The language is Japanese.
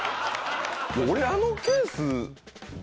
俺あのケース。